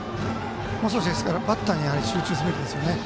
もう少しバッターに集中すべきですよね。